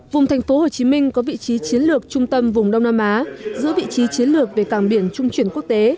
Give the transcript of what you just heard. vùng tp hcm có vị trí chiến lược trung tâm vùng đông nam á giữ vị trí chiến lược về cảng biển trung chuyển quốc tế